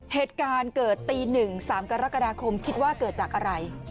เหตุการณ์เกิดตี๑๓กรกฎาคมคิดว่าเกิดจากอะไร